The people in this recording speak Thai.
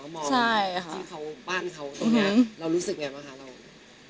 มองบ้านเค้าเรารู้สึกยังไงบ้างครับ